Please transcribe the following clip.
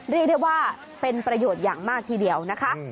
เรียกได้ว่าเป็นประโยชน์อย่างมากทีเดียวนะคะ